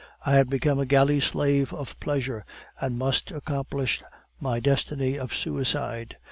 I had become a galley slave of pleasure, and must accomplish my destiny of suicide.